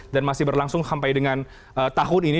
dan masih berlangsung sampai dengan tahun ini